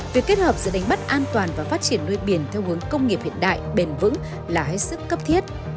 việc kết hợp giữa đánh bắt an toàn và phát triển nuôi biển theo hướng công nghiệp hiện đại bền vững là hết sức cấp thiết